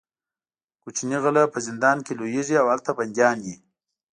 کوچني غله په زندان کې لویېږي او هلته بندیان وي.